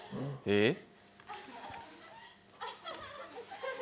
えっ？